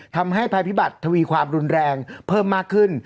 ทำให้ภัยพิบัตรทวีความรุนแรงเพิ่มมากขึ้น